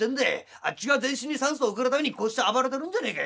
あっちが全身に酸素を送るためにこうして暴れてるんじゃねえか。